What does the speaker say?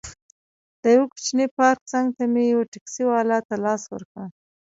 د یوه کوچني پارک څنګ ته مې یو ټکسي والا ته لاس ورکړ.